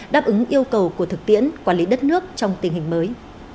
đáp ứng yêu cầu của thực tiễn quản lý đất nước trong tình hình mới